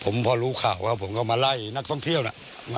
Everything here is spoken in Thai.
ผมพอรู้ข่าวว่าผมก็มาไล่นักท่องเที่ยวนะ